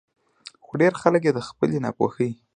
خو ډېر خلک ئې د خپلې نا پوهۍ